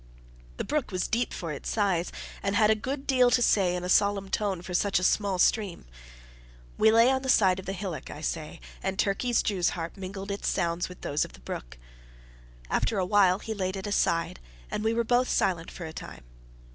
The brook was deep for its size, and had a good deal to say in a solemn tone for such a small stream. We lay on the side of the hillock, I say, and Turkey's Jews' harp mingled its sounds with those of the brook. After a while he laid it aside, and we were both silent for a time.